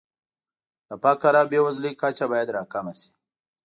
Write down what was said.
د فقر او بېوزلۍ کچه باید راکمه شي.